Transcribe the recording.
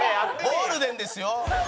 ゴールデンですよ。